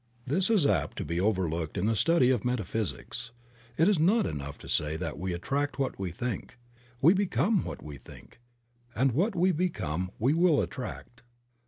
This is apt to be overlooked in the study of metaphysics. It is not enough to say that we attract what we think; we become what we think, and what we become we will attract.